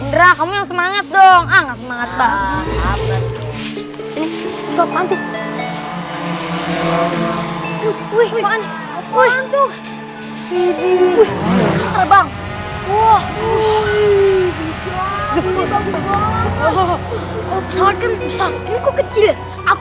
indra kamu yang semangat dong ah nggak semangat pak